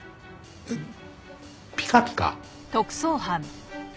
えっピカピカ？